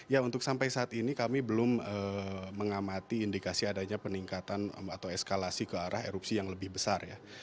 ya untuk sampai saat ini kami belum mengamati indikasi adanya peningkatan atau eskalasi ke arah erupsi yang lebih besar ya